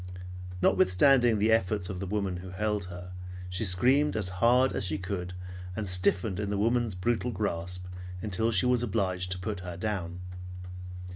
Notwithstanding the efforts of the woman who held her, she screamed as hard as she could and stiffened in the woman's brutal grasp until she was obliged to put her down.